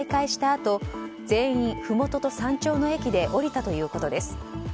あと全員、ふもとと山頂の駅で降りたということです。